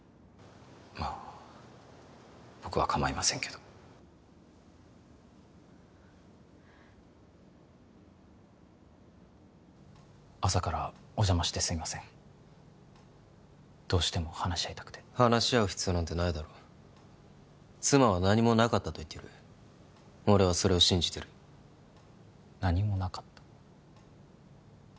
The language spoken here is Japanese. まあ僕は構いませんけど朝からお邪魔してすいませんどうしても話し合いたくて話し合う必要なんてないだろ妻は何もなかったと言ってる俺はそれを信じてる何もなかった？